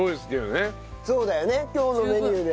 そうだよね今日のメニューで。